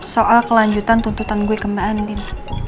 soal kelanjutan tuntutan gue ke mbak andin